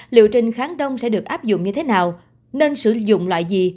liệu trình kháng đông sẽ được áp dụng như thế nào nên sử dụng loại gì